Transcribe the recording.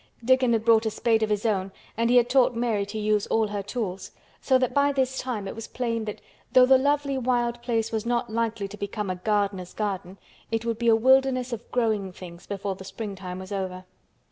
Dickon had brought a spade of his own and he had taught Mary to use all her tools, so that by this time it was plain that though the lovely wild place was not likely to become a "gardener's garden" it would be a wilderness of growing things before the springtime was over.